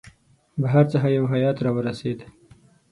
بهر څخه یو هیئات را ورسېد.